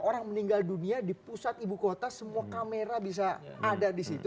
orang meninggal dunia di pusat ibu kota semua kamera bisa ada di situ